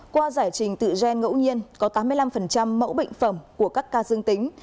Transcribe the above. qua giải trình tự gen ngẫu nhiên có tám mươi năm mẫu bệnh phẩm của các ca dương tính